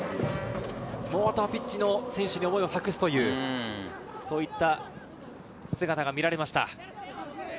ピッチの選手に思いを託すという、そういった姿が見られました。